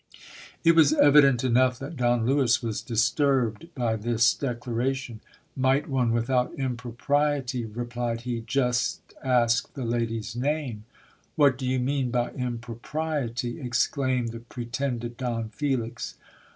It was evident enough that Don Lewis was disturbed by this declaration. Might one without impropriety, replied he, just ask the lady's name ? What do you mean by impropriety ? exclaimed the pretended Don Felix.